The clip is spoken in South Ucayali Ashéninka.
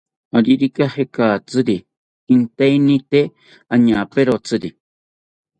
Aririka jekatzari inteini tee añaperotzi